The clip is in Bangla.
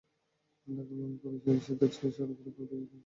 ঢাকার মানুষ পদচারী-সেতুর চেয়ে সড়কের ওপর দিয়ে ঝুঁকি নিয়ে পার হয়।